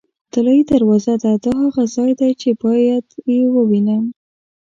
طلایي دروازه ده، دا هغه ځای دی چې باید یې ووینم.